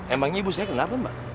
emangnya ibu saya kenapa mbak